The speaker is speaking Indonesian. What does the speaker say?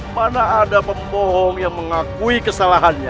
mana ada pembohong yang mengakui kesalahannya